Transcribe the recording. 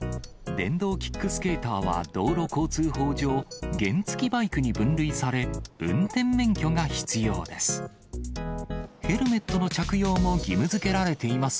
電動キックスケーターは道路交通法上、原付バイクに分類され、運転免許が必要です。